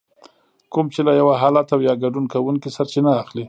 کوم چې له يو حالت او يا ګډون کوونکي سرچينه اخلي.